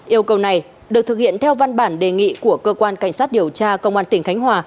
yêu cầu này được thực hiện theo văn bản đề nghị của cơ quan cảnh sát điều tra công an tỉnh khánh hòa